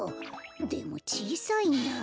でもちいさいなあ。